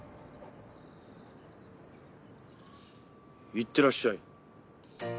いってらっしゃい。